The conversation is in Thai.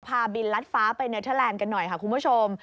พาบินลัดฟ้าไปเนเทอร์แลนด์กันหน่อยค่ะคุณผู้ชม